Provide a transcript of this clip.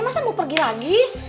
masa mau pergi lagi